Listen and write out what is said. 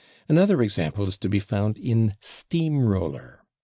Another example is to be found in /steam roller